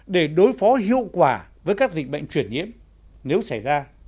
để đối phó hiệu quả với các dịch bệnh truyền nhiễm nếu xảy ra